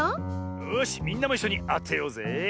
よしみんなもいっしょにあてようぜえ！